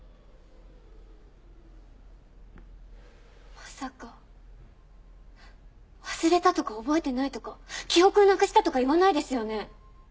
まさか忘れたとか覚えてないとか記憶をなくしたとか言わないですよね？